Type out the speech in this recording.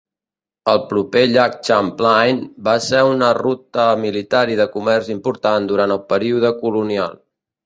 El proper llac Champlain va ser una ruta militar i de comerç important durant el període colonial.